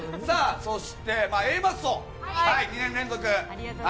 そしてＡマッソ、２年連続。